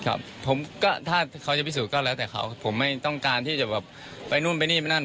ครับผมก็ถ้าเขาจะพิสูจนก็แล้วแต่เขาผมไม่ต้องการที่จะแบบไปนู่นไปนี่ไปนั่น